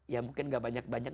ya mungkin gak banyak banyak